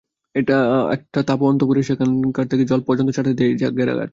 একটা তাঁবু অন্তঃপুরের, সেখান থেকে জল পর্যন্ত চাটাই দিয়ে ঘেরা ঘাট।